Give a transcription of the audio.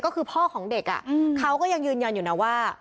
ก็คือพ่อของเด็กเขาก็ยังยืนยันอยู่นะว่า